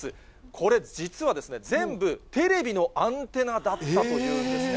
これ、実は全部テレビのアンテナだったというんですね。